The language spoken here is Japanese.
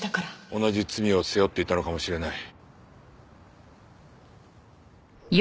同じ罪を背負っていたのかもしれない。